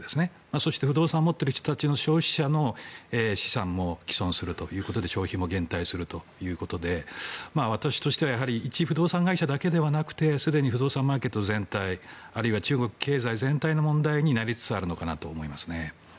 そして不動産を持っている人たちの消費者の資産も既存するということで消費も減退するということで私としてはいち不動産会社だけじゃなくてすでに不動産マーケット全体あるいは中国経済全体の問題になりつつあるのかなと思います。